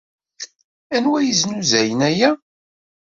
Anwa yeznuzayen aya?